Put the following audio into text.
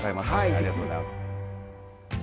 ありがとうございます。